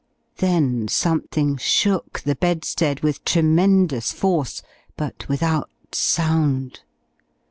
Then something shook the bedstead with tremendous force, but without sound.